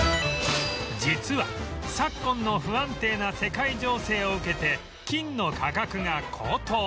実は昨今の不安定な世界情勢を受けて金の価格が高騰